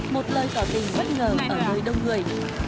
một lời tỏ tình bất ngờ ở nơi đông người